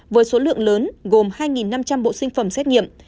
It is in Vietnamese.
với số lượng lớn gồm hai năm trăm linh bộ sinh phẩm xét nghiệm